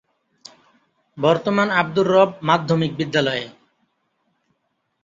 বর্তমান আব্দুর রব মাধ্যমিক বিদ্যালয়ে।